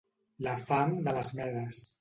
La fam de les Medes.